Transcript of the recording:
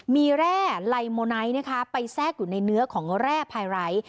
มีแร่ไลโมไนท์นะคะไปแทรกอยู่ในเนื้อของแร่พายไร้